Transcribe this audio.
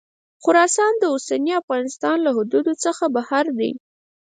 خراسان د اوسني افغانستان له حدودو څخه بهر دی.